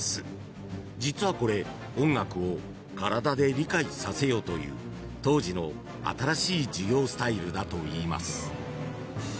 ［実はこれ音楽を体で理解させようという当時の新しい授業スタイルだといいます］